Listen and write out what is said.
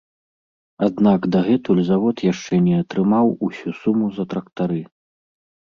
Аднак дагэтуль завод яшчэ не атрымаў усю суму за трактары.